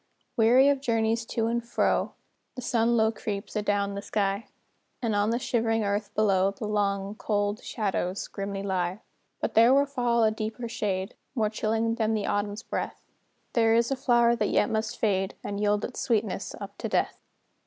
Weary of journeys to and fro, The sun low creeps adown the sky; And on the shivering earth below, The long, cold shadows grimly lie. But there will fall a deeper shade, More chilling than the Autumn's breath: There is a flower that yet must fade, And yield its sweetness up to death.